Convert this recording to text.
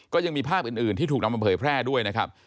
ก็ยังมีภาพอื่นที่ถูกนำมาเผยแพร่ด้วยนะครับ